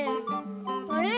あれ？